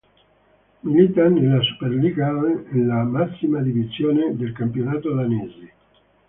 Milita nella Superligaen, la massima divisione del campionato danese.